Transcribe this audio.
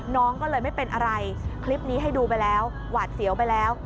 น้องก็เลยไม่เป็นอะไรคลิปนี้ให้ดูไปแล้วหวาดเสียวไปแล้ว